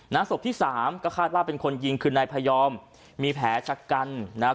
ศพที่สามก็คาดว่าเป็นคนยิงคือนายพยอมมีแผลชะกันนะฮะ